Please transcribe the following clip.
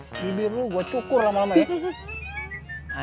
nih bibir lu gue cukur lama lama ya